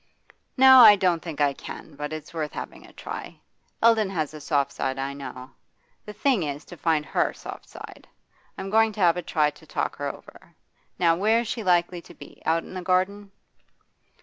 'No, I don't think I can, but it's worth having a try. Eldon has a soft side, I know. The thing is to find her soft side. I'm going to have a try to talk her over. Now, where is she likely to be? out in the garden?